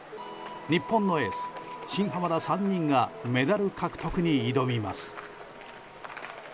日本のエース、新濱ら３人がメダル獲得に挑みます。